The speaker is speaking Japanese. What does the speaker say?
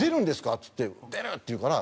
っつって「出る」って言うから。